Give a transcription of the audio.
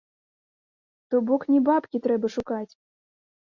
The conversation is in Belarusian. То бок не бабкі трэба шукаць!